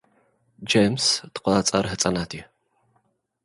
ጀምስ ተቘጻጻሪ ህንጸት እዩ።